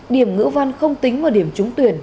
điểm ngữ văn không tính vào điểm trúng tuyển